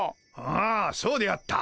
ああそうであった。